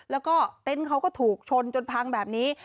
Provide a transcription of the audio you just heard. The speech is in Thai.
แล้วก็เต็นต์เขาก็ถูกชนจนพังแบบนี้